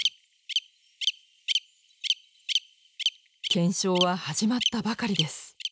検証は始まったばかりです。